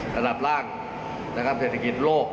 ประดับร่างเศรษฐกิจโลก